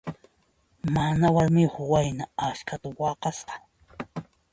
Mana warmiyuq wayna askhata waqasqa.